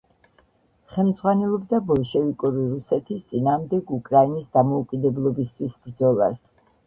ხელმძღვანელობდა ბოლშევიკური რუსეთის წინააღმდეგ უკრაინის დამოუკიდებლობისთვის ბრძოლას.